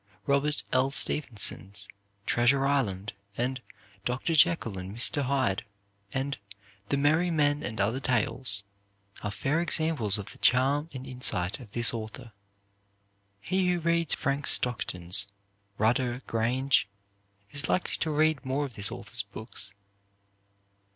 Robert L. Stevenson's "Treasure Island," and "Doctor Jekyll and Mr. Hyde," and "The Merry Men and Other Tales," are fair examples of the charm and insight of this author. He who reads Frank Stockton's "Rudder Grange" is likely to read more of this author's books.